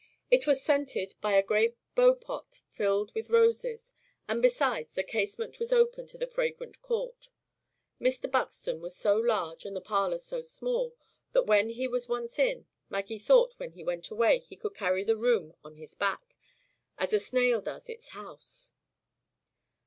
It was scented by a great beau pot filled with roses; and, besides, the casement was open to the fragrant court. Mr. Buxton was so large, and the parlor so small, that when he was once in, Maggie thought when he went away, he could carry the room on his back, as a snail does its house.